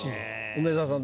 梅沢さん